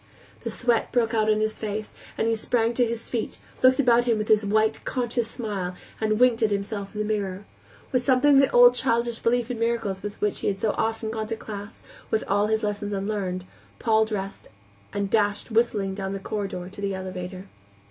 The sweat broke out on his face, and he sprang to his feet, looked about him with his white, conscious smile, and winked at himself in the mirror, With something of the old childish belief in miracles with which he had so often gone to class, all his lessons unlearned, Paul dressed and dashed whistling down the corridor to the elevator.